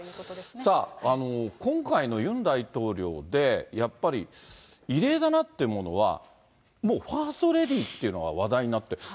さあ、今回のユン大統領で、やっぱり異例だなって思うのは、もうファーストレディーっていうのが話題になってる。